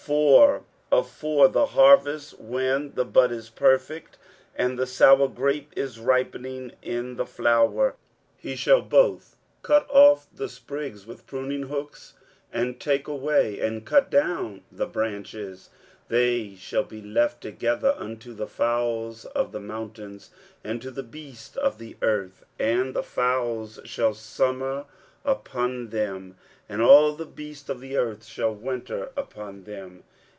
23:018:005 For afore the harvest, when the bud is perfect, and the sour grape is ripening in the flower, he shall both cut off the sprigs with pruning hooks, and take away and cut down the branches. 23:018:006 They shall be left together unto the fowls of the mountains, and to the beasts of the earth: and the fowls shall summer upon them, and all the beasts of the earth shall winter upon them.